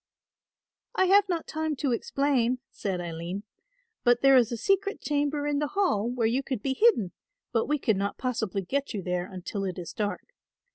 "I have not time to explain," said Aline, "but there is a secret chamber in the Hall where you could be hidden, but we could not possibly get you there until it is dark.